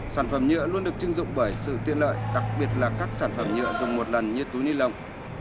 sản phẩm nhựa luôn được chưng dụng bởi sự tiện lợi đặc biệt là các sản phẩm nhựa dùng một lần như túi ni lông